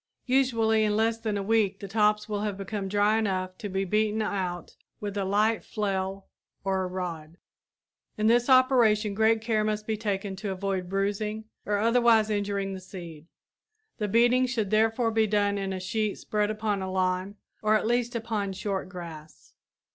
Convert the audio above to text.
Usually in less than a week the tops will have become dry enough to be beaten out with a light flail or a rod. In this operation great care must be taken to avoid bruising or otherwise injuring the seed. The beating should therefore be done in a sheet spread upon a lawn or at least upon short grass.